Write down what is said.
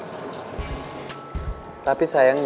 sorry ya gue gak bisa duduk sama wulan